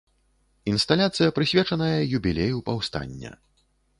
Інсталяцыя, прысвечаная юбілею паўстання.